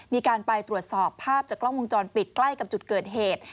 มีการไปตรวจสอบภาพจากกล้องวงจรปิดใกล้กับจุดเกิดเหตุ